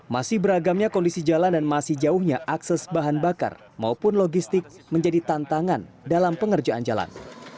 masih beragamnya kondisi jalan dan masih jauhnya akses bahan bakar maupun logistik menjadi tantangan dalam pengerjaan jalan